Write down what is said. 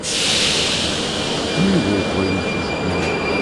Или волк в овечьей шкуре.